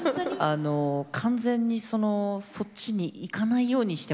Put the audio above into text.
完全にそっちにいかないようにしてました。